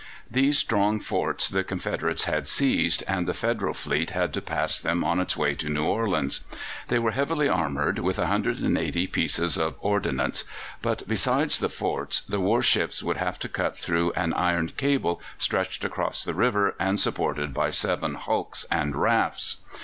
These strong forts the Confederates had seized, and the Federal fleet had to pass them on its way to New Orleans. They were heavily armoured with 180 pieces of ordinance, but besides the forts the warships would have to cut through an iron cable stretched across the river and supported by seven hulks and rafts.